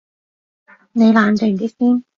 你冷靜啲先